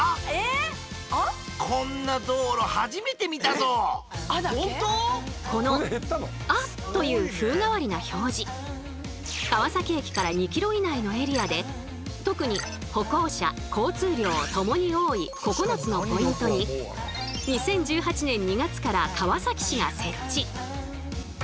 それではこの「あっ！」という風変わりな表示川崎駅から２ｋｍ以内のエリアで特に歩行者交通量共に多い９つのポイントに２０１８年２月から川崎市が設置。